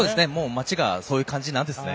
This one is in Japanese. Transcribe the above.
街がそういう感じなんですね。